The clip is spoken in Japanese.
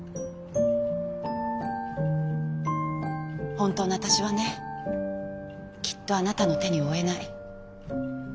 本当の私はねきっとあなたの手に負えない。